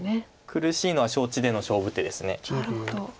苦しいのは承知での勝負手です。